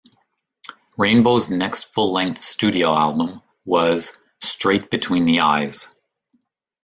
Rainbow's next full-length studio album was "Straight Between the Eyes".